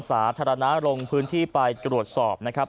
สาธารณะลงพื้นที่ไปตรวจสอบนะครับ